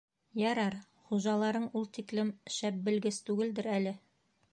Ярар, хужаларың ул тиклем үк шәп белгес түгелдер әле.